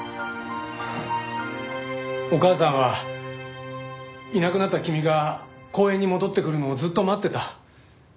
お母さんはいなくなった君が公園に戻ってくるのをずっと待ってた。